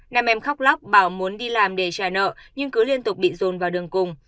nam em khóc lóc bảo muốn đi làm để trả nợ nhưng cứ liên tục bị dồn vào đường cùng